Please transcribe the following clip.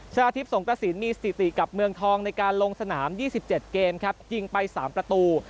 ชนะทิพย์สงกระสินมีสถิติกับเมืองทองในการลงสนาม๒๗เกมครับยิงไป๓ประตู